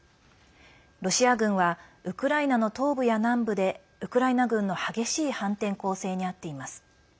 ロシア軍はウクライナの東部や南部でウクライナ軍の激しい反転攻勢に遭っています。